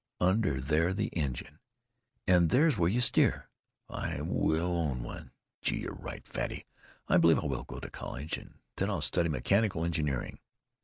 "Under there—the engine! And there's where you steer.... I will own one!... Gee! you're right, Fatty; I believe I will go to college. And then I'll study mechanical engineering."